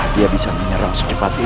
dia bisa menyerang uh itu